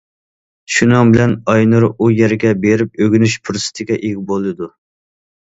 شۇنىڭ بىلەن ئاينۇر ئۇ يەرگە بېرىپ ئۆگىنىش پۇرسىتىگە ئىگە بولىدۇ.